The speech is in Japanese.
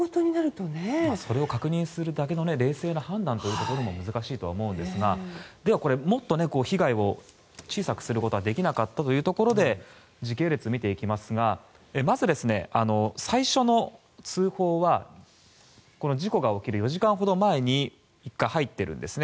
それを確認するだけの冷静な判断も難しいと思いますがでは、もっと被害を小さくすることはできなかったかというところで時系列を見ていきますがまず、最初の通報は事故が起きる４時間ほど前に１回入っているんです。